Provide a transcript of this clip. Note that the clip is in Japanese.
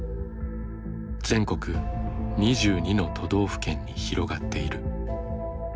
全国２２の都道府県に広がっている。